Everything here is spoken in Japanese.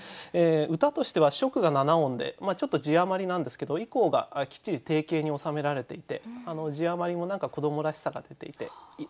歌としては初句が７音でちょっと字余りなんですけど以降がきっちり定型に収められていて字余りも子どもらしさが出ていて楽しい歌だと思います。